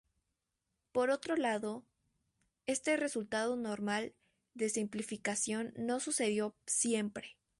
Por otro lado, este resultado normal de simplificación no sucedió siempre.